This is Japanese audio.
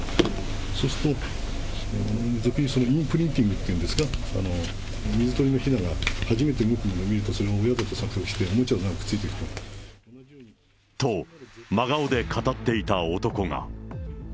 そうすると、インプリンティングっていうんですか、水鳥のひなが初めて動くものを見ると、それが親だと錯覚して、くっついていくと。と、真顔で語っていた男が。